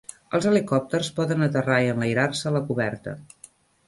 Els helicòpters poden aterrar i enlairar-se a la coberta.